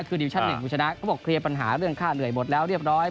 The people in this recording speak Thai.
คือดิวิชั่น๑คุณชนะก็บอกเคลียร์ปัญหาเรื่องค่าเหนื่อยหมดแล้วเรียบร้อย